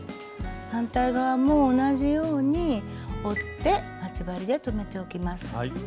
反対側も同じように折って待ち針で留めておきます。